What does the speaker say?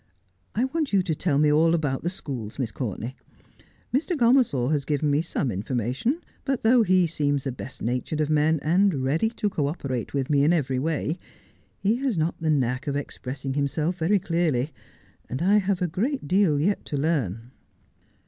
I want you to tell me all about the schools, Miss Courtenay. Mr. Gomersall has given me some information ; but though he seems the best natured of men, and ready to co operate with me in every way, he has not the knack of expressing himself very clearly, and I have a great deal' yet to learn.'